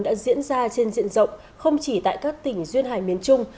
đã diễn ra trên diện rộng không chỉ tại các tỉnh duyên hải miền trung